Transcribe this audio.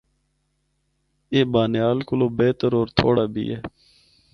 اے بانہال کولو بہتر ہور تھوڑا بھی اے۔